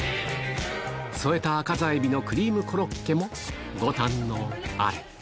添えた赤座海老のクリームコロッケもご堪能あれ。